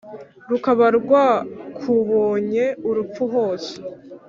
rukaba rwakubonye urupfu hose